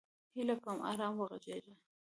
هیله کوم! ارام وغږیږه!